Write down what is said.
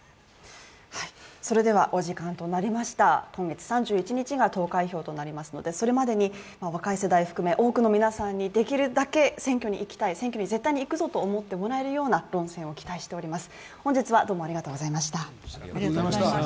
今月三一日が投開票となりますのでそれまでに若い世代含め多くの皆さんにできるだけ選挙に行きたい選挙に絶対にいくぞと思ってもらえるような論戦を期待しております